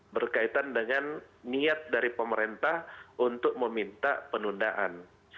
berkaitan dengan niat dari pemerintah untuk meminta penundaan